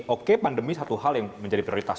oke pandemi satu hal yang menjadi prioritas